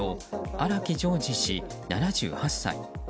荒木襄治氏、７８歳。